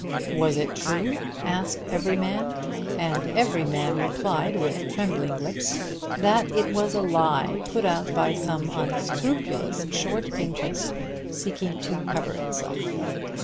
Was it true? asked every man; and every man replied, with trembling lips, that it was a lie put out by some unscrupulous "short" interest seeking to cover itself.